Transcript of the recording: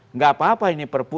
nggak apa apa ini perpu